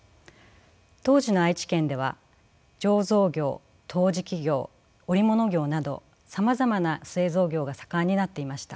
当時の愛知県では醸造業陶磁器業織物業などさまざまな製造業が盛んになっていました。